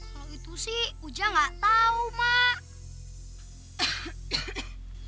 kalau itu sih ujang gak tau mak